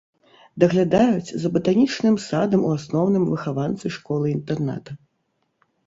Даглядаюць за батанічным садам у асноўным выхаванцы школы-інтэрната.